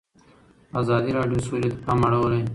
ازادي راډیو د سوله ته پام اړولی.